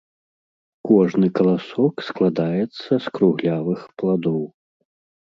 Кожны каласок складаецца з круглявых пладоў.